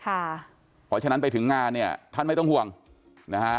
เพราะฉะนั้นไปถึงงานเนี่ยท่านไม่ต้องห่วงนะฮะ